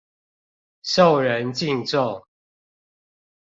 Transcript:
受人敬重